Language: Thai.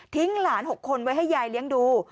หลาน๖คนไว้ให้ยายเลี้ยงดู